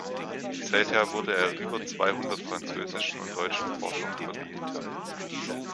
Seither wurde er über zweihundert französischen und deutschen Forschern verliehen.